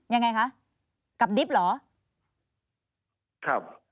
อย่างไรคะกับดิ๊บเหรอ